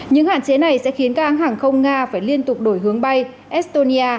những hạn chế này sẽ khiến các hãng hàng không nga phải liên tục đổi hướng bay estonia